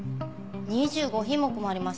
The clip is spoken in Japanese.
２５品目もあります。